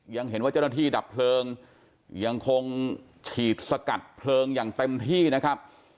ยังเห็นว่าเจ้าหน้าที่ดับเพลิงยังคงฉีดสกัดเพลิงอย่างเต็มที่นะครับ